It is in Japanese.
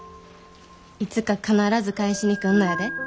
いつか必ず返しに来んのやで。